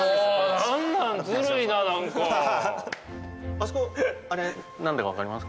あそこあれ何だか分かりますか？